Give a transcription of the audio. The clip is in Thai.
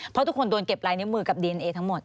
เพราะทุกคนโดนเก็บลายนิ้วมือกับดีเอนเอทั้งหมด